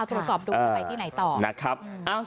โทรศอบดูก่อนไปที่ไหนต่อ